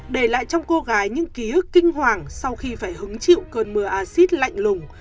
để lại trong cô gái những ký ức kinh hoàng sau khi phải hứng chịu cơn mưa acid lạnh lùng